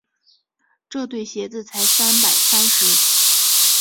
这对鞋子才三百三十。